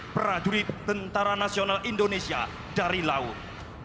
prajurit tentara nasional indonesia dari laut